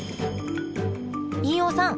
飯尾さん